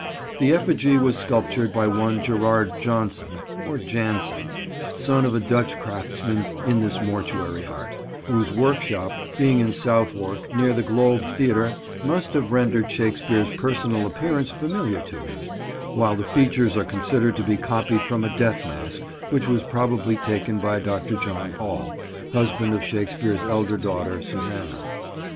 The effigy was sculptured by one Gerard Johnson (or Janssen), son of a Dutch craftsman in this mortuary art, whose workshop being in Southwark near the "Globe" theatre, must have rendered Shakespeare's personal appearance familiar to him, while the features are considered to be copied from a death mask which was probably taken by Dr. John Hall, husband of Shakespeare's elder daughter, Susanna.